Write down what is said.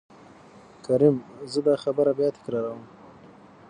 کريم :زه دا خبره بيا تکرار وم.